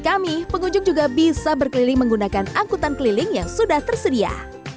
bagi kami pengunjung juga bisa berkeliling menggunakan angkutan keliling yang sudah tersedia